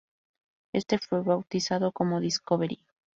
Éste fue bautizado como "Discovery".